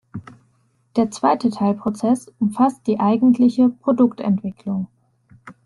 Der zweite Teilprozess umfasst die eigentliche "Produktentwicklung".